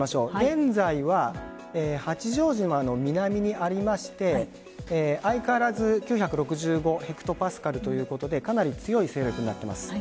現在は、八丈島の南にありまして相変わらず９６５ヘクトパスカルということでかなり強い勢力になっています。